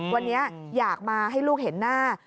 วันนี้อยากมาให้ลูกเห็นหน้า